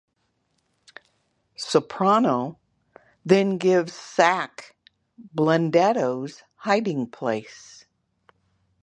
Soprano then gives Sack Blundetto's hiding place.